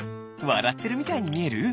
わらってるみたいにみえる？